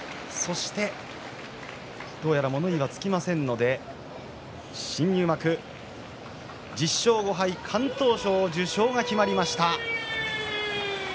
どうやら物言いがつきませんので新入幕１０勝５敗敢闘賞受賞が決まりました。